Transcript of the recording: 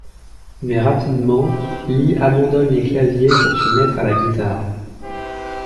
Mais rapidement, Lee abandonne les claviers pour se mettre à la guitare.